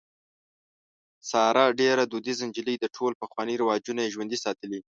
ساره ډېره دودیزه نجلۍ ده. ټول پخواني رواجونه یې ژوندي ساتلي.